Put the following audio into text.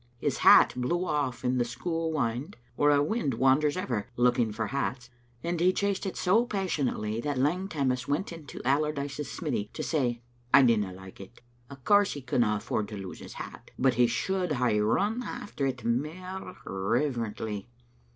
His hat blew off in the school wynd, where a wind wanders ever, looking for hats, and he chased it so passionately that Lang Tammas went into AUardyce's smiddy to say —" I dinna like it. Of course he couldna afford to lose his bat, but he should hae run after it mair reverently."